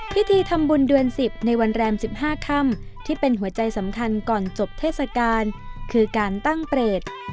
พิธีทำบุญเดือน๑๐ในวันแรม๑๕ค่ำที่เป็นหัวใจสำคัญก่อนจบเทศกาลคือการตั้งเปรต